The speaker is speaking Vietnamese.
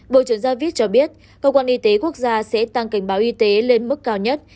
bộ trưởng javis cho biết cơ quan y tế quốc gia sẽ tăng cảnh báo y tế lên mức cao nhất